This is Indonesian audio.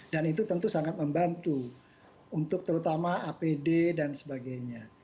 dan itu tentu sangat membantu untuk terutama apd dan sebagainya